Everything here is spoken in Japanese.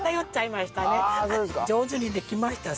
上手にできました。